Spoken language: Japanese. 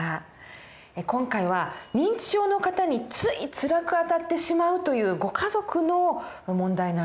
今回は認知症の方についつらくあたってしまうというご家族の問題なんですけれども。